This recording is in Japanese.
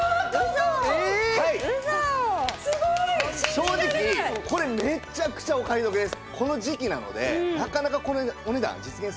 正直これめちゃくちゃお買い得です。